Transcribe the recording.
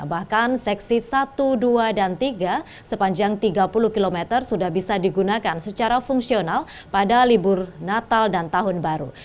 bahkan seksi satu dua dan tiga sepanjang tiga puluh km sudah bisa digunakan secara fungsional pada libur natal dan tahun baru